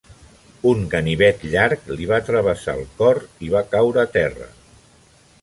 Un ganivet llarg li va travessar el cor i va caure a terra.